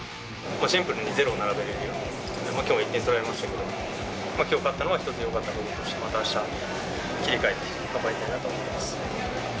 シンプルにゼロを並べられるように、きょうも１点取られましたけど、きょう勝ったのは一つよかったこととして、またあした、切り替えて頑張りたいなと思います。